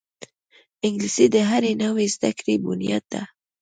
انګلیسي د هرې نوې زده کړې بنیاد ده